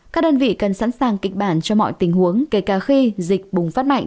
các đơn vị cần sẵn sàng kịch bản cho mọi tình huống kể cả khi dịch bùng phát mạnh